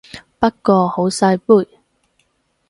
不過好細杯